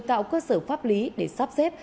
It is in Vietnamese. tạo cơ sở pháp lý để sắp xếp